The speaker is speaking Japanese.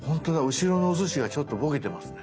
後ろ側のおすしがちょっとボケてますね。